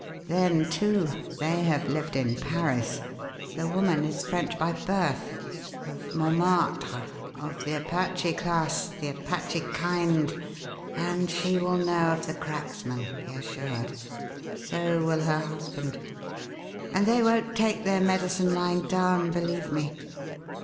Then, too, they have lived in Paris. The woman is French by birth. Of Montmartre of the Apache class, the Apache kind and she will know of the 'Cracksman,' be assured. So will her husband. And they won't take their medicine lying down, believe me.